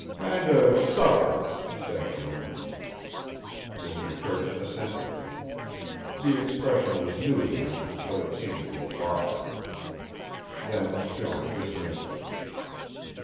"Kind of sucker," said Jones. Mr. Church assented. The expression was new to him, but it seemed to apply. Then Jones dismissed him.